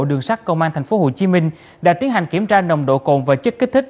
đường sát công an tp hcm đã tiến hành kiểm tra nồng độ cồn và chất kích thích